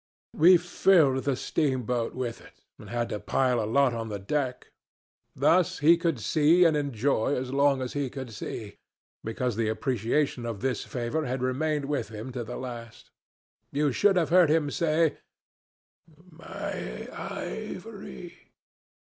We filled the steamboat with it, and had to pile a lot on the deck. Thus he could see and enjoy as long as he could see, because the appreciation of this favor had remained with him to the last. You should have heard him say, 'My ivory.'